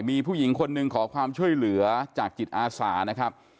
มีผู้หญิงคนหนึ่งขอความช่วยเหลือจากจิตอาสานะครับ